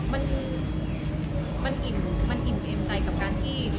มันมันหินร่วมมันหินให้เอ็มใจกับการที่